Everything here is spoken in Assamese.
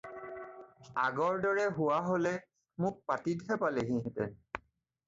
আগৰ দৰে হোৱা হ'লে মোক পাটীতহে পালেহিহেঁতেন।